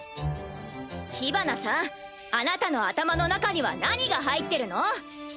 ヒバナさんあなたの頭の中には何が入ってるの？